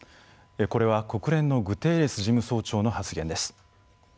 これは国連のグテーレス事務総長の発言です。